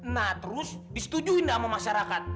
nah terus disetujuin sama masyarakat